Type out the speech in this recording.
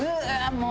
もう。